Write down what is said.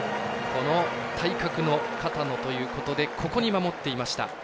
この体格の片野ということでフェンス際守っていました。